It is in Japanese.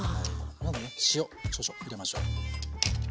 まずね塩少々入れましょう。